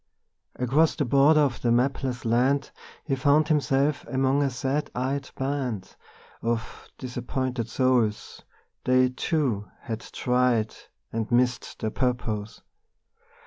Across the border of the mapless land He found himself among a sad eyed band Of disappointed souls; they, too, had tried And missed their purpose.